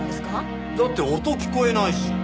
だって音聞こえないし。